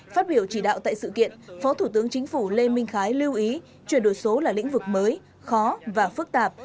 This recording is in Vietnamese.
phát biểu chỉ đạo tại sự kiện phó thủ tướng chính phủ lê minh khái lưu ý chuyển đổi số là lĩnh vực mới khó và phức tạp